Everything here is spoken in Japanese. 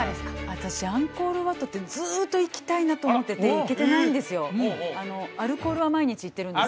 私アンコール・ワットってずっと行きたいなと思ってて行けてないんですよ